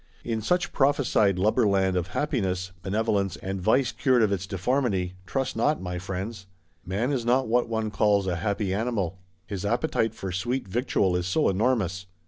In such prophesied Lubberland, of Happiness, Benevolence, and Vice cured of its deformity, trust not, my friends! Man is not what one calls a happy animal; his appetite for sweet victual is so enormous.